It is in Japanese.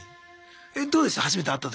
えどうでした？